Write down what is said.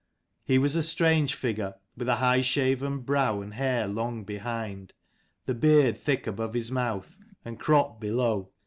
He was a strange figure, with high shaven brow and hair long behind ; the beard thick above his mouth, and cropped below.